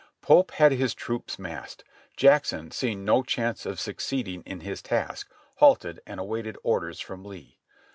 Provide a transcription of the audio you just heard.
Pope had his troops massed. Jackson, seeing no chance of succeeding in his task, halted and awaited orders from Lee.